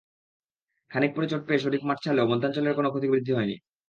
খানিক পরে চোট পেয়ে শরীফ মাঠ ছাড়লেও মধ্যাঞ্চলের কোনো ক্ষতিবৃদ্ধি হয়নি।